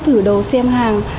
thử đầu xem hàng